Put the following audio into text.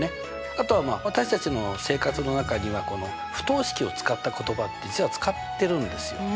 あとは私たちの生活の中には不等式を使った言葉って実は使ってるんですよ。